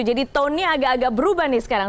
jadi tonenya agak agak berubah nih sekarang